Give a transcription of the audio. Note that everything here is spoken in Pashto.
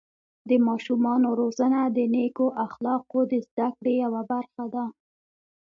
د ماشومانو روزنه د نیکو اخلاقو د زده کړې یوه برخه ده.